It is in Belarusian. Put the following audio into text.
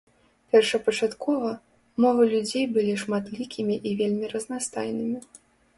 Першапачаткова, мовы людзей былі шматлікімі і вельмі разнастайнымі.